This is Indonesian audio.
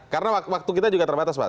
karena waktu kita juga terbatas pak